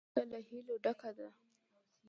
دښته له هیلو ډکه ده.